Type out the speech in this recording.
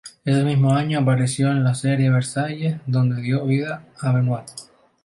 Ese mismo año apareció en la serie Versailles donde dio vida a Benoît.